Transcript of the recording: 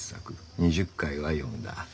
二十回は読んだ。